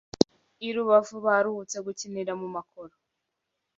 I Rubavu baruhutse gukinira mu makoro